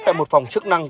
tại một phòng chức năng